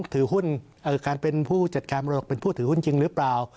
ถือหุ้นการเป็นผู้จัดการมรดกเป็นผู้ถือหุ้นจริงหรือเปล่า